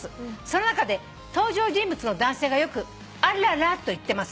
「その中で登場人物の男性がよく『アララ』と言ってます」